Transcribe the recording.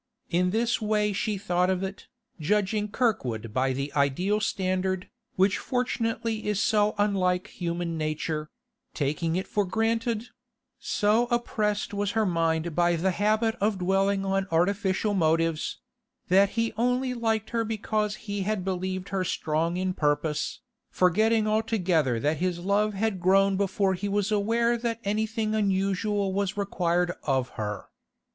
In this way she thought of it, judging Kirkwood by the ideal standard, which fortunately is so unlike human nature; taking it for granted—so oppressed was her mind by the habit of dwelling on artificial motives—that he only liked her because he had believed her strong in purpose, forgetting altogether that his love had grown before he was aware that anything unusual was required of her.